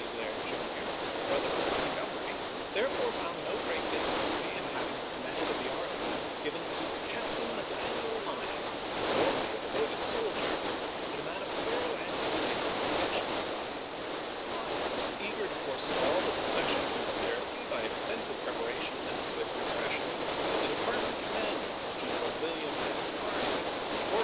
Blair, Jr., brother of Montgomery, therefore found no great difficulty in having the command of the arsenal given to Captain Nathaniel Lyon, not only a devoted soldier, but a man of thorough anti slavery convictions. Lyon was eager to forestall the secession conspiracy by extensive preparation and swift repression; but the department com GENERAL FRANCIS P. BLAIH, JR. MISSOUKI 209 mander, General William S. Harney, and the ord chap. xi.